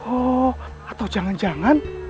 oh atau jangan jangan